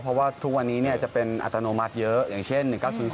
เพราะว่าทุกวันนี้จะเป็นอัตโนมัติเยอะอย่างเช่น๑๙๐๒